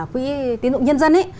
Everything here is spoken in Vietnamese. quỹ tiến dụng nhân dân ấy